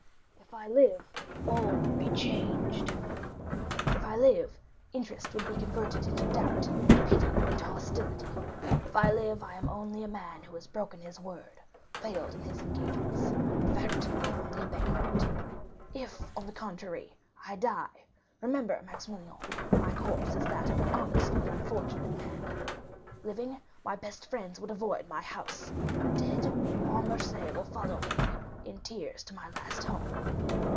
"If I live, all would be changed; if I live, interest would be converted into doubt, pity into hostility; if I live I am only a man who has broken his word, failed in his engagements—in fact, only a bankrupt. If, on the contrary, I die, remember, Maximilian, my corpse is that of an honest but unfortunate man. Living, my best friends would avoid my house; dead, all Marseilles will follow me in tears to my last home.